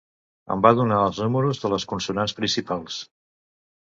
Em va donar els números de les consonants principals.